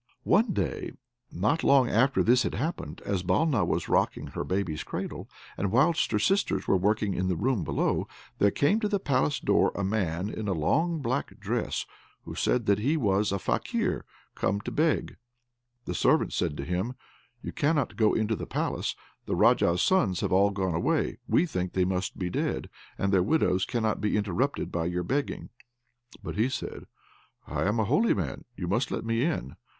One day, not long after this had happened, as Balna was rocking her baby's cradle, and whilst her sisters were working in the room below, there came to the palace door a man in a long black dress, who said that he was a Fakir, and came to beg. The servants said to him, "You cannot go into the palace the Raja's sons have all gone away; we think they must be dead, and their widows cannot be interrupted by your begging." But he said, "I am a holy man, you must let me in."